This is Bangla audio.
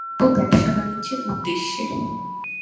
বণিকরা এখানে আসতো ব্যবসা-বাণিজ্যের উদ্দেশ্যে।